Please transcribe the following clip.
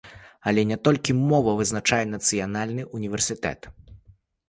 Але не толькі мова вызначае нацыянальны ўніверсітэт.